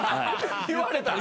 言われた？